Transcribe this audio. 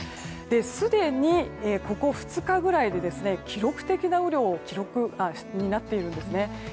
すでに、ここ２日ぐらいで記録的な雨量になっているんですね。